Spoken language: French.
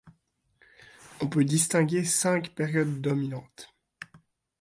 On peut distinguer cinq périodes dominantes.